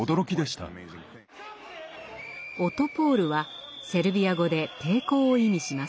オトポール！はセルビア語で「抵抗」を意味します。